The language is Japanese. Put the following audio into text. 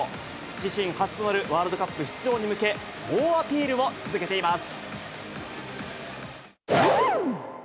自身初となるワールドカップ出場に向け、猛アピールを続けています。